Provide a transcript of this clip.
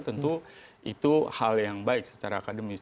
tentu itu hal yang baik secara akademis